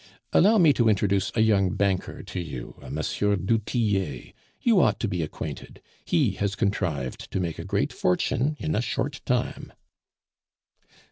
"Allow me to introduce a young banker to you, a M. du Tillet; you ought to be acquainted, he has contrived to make a great fortune in a short time."